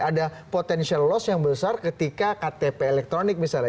ada potential loss yang besar ketika ktp elektronik misalnya